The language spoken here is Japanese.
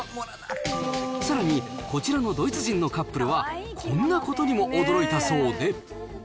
さらにこちらのドイツ人のカップルは、こんなことにも驚いたそうで。